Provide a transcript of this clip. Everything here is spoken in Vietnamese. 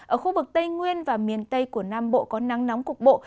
ở khu vực tây nguyên và miền tây của nam bộ có nắng nóng cục bộ